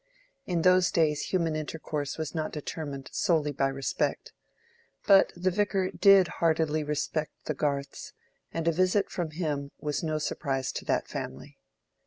In those days human intercourse was not determined solely by respect. But the Vicar did heartily respect the Garths, and a visit from him was no surprise to that family.